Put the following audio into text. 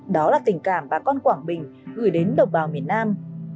đó là tình cảm bà con quảng bình gửi đến đồng bào miền nam